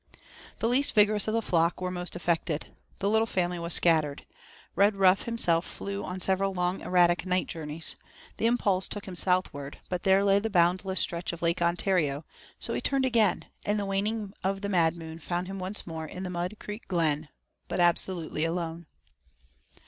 The least vigorous of the flock were most affected. The little family was scattered. Redruff himself flew on several long erratic night journeys. The impulse took him southward, but there lay the boundless stretch of Lake Ontario, so he turned again, and the waning of the Mad Moon found him once more in the Mud Creek Glen, but absolutely alone.